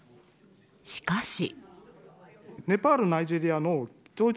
しかし。